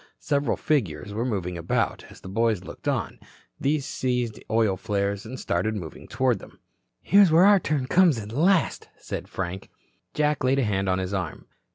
Several figures were moving about. As the boys looked on, these seized oil flares and started moving toward them. "Here's where our turn comes at last," said Frank. Jack laid a hand on his arm.